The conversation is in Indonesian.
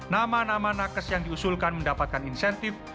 nama nama nakes yang diusulkan mendapatkan insentif